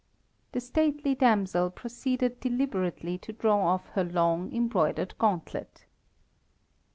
The stately damsel proceeded deliberately to draw off her long, embroidered gauntlet.